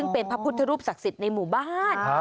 เป็นพระพุทธรูปศักดิ์สิทธิ์ในหมู่บ้าน